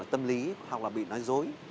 tâm lý hoặc là bị nói dối